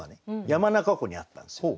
山中湖にあったんですよ。